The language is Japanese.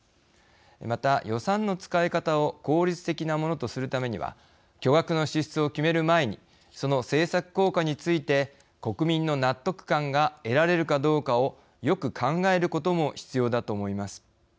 また予算の使い方を効率的なものとするためには巨額の支出を決める前にその政策効果について国民の納得感が得られるかどうかをよく考えることも必要だと思います。